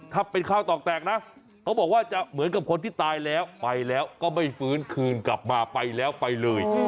ถ้าเป็นข้าวตอกแตกนะเขาบอกว่าจะเหมือนกับคนที่ตายแล้วไปแล้วก็ไม่ฟื้นคืนกลับมาไปแล้วไปเลย